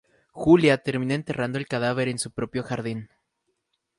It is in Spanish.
Julia termina enterrando el cadáver en su propio jardín.